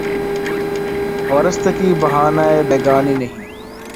وارستگی بہانۂ بیگانگی نہیں